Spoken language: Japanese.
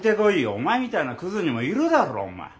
お前みたいなクズにもいるだろお前。